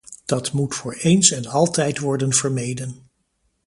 Dat moet voor eens en altijd worden vermeden.